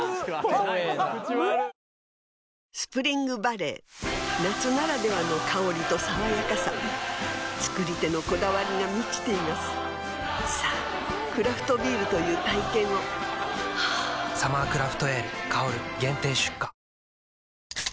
スプリングバレー夏ならではの香りと爽やかさ造り手のこだわりが満ちていますさぁクラフトビールという体験を「サマークラフトエール香」限定出荷